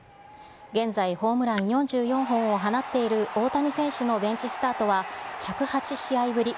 現在、ホームラン４４本を放っている大谷選手のベンチスタートは１０８試合ぶり。